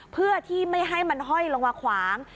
เพื่อที่ไม่ให้มันห้อยลงมาขวาง